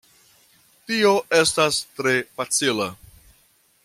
Tio estas tre facila.